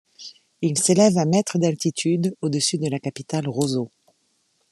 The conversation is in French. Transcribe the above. Il s'élève à mètres d'altitude au-dessus de la capitale Roseau.